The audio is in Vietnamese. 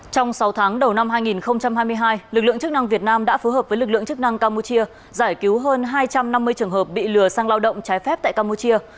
trong sáu tháng đầu năm hai nghìn hai mươi hai lực lượng chức năng việt nam đã phối hợp với lực lượng chức năng campuchia giải cứu hơn hai trăm năm mươi trường hợp bị lừa sang lao động trái phép tại campuchia